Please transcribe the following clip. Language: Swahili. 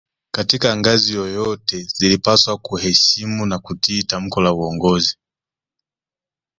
Katika ngazi yoyote zilipaswa kuheshimu na kutii tamko la uongozi